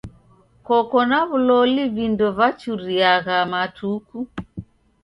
Koko na w'uloli vindo vachuriagha matuku?